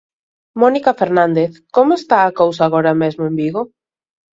Mónica Fernández, como está a cousa agora mesmo en Vigo?